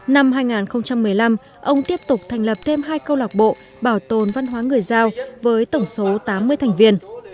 năm hai nghìn một mươi năm ông tiếp tục thành lập thêm hai câu lạc bộ bảo tồn văn hóa người giao với tổng số tám mươi thành viên